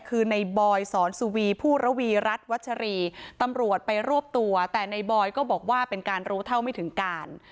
คือในบอยสอนสุวีผู้ระวีรัฐวัชรีตำรวจไปรวบตัวแต่ในบอยก็บอกว่าเป็นการรู้เท่าไม่ถึงการ